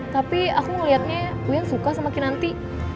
tapi aku ngeliatnya uian suka sama kinanti